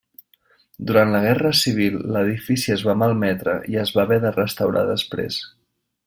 Durant la Guerra Civil l'edifici es va malmetre i es va haver de restaurar després.